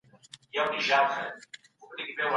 روښانه تصمیم د بریالیتوب لار هواروي.